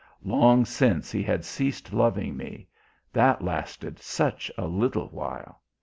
Long since he had ceased loving me; that lasted such a little while.